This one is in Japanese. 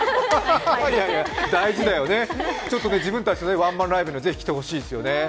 大事だよね、ちょっと自分たちのワンマンライブにもぜひ来てほしいですよね。